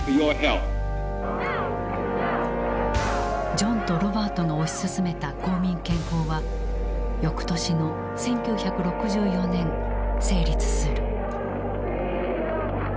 ジョンとロバートの推し進めた公民権法はよくとしの１９６４年成立する。